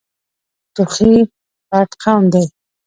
توخی غټ قوم ده.